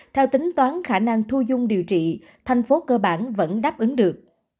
theo tính toán khả năng thu dung điều trị thành phố cơ bản vẫn đáp ứng được